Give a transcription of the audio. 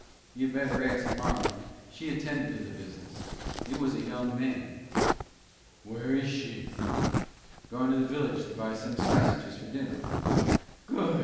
"You'd better ask marm. She attended to the business. It was a young man." "Where is she?" "Gone to the village to buy some sassiges for dinner." "Good!"